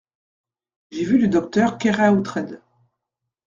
J’ai vu le docteur Keraotred.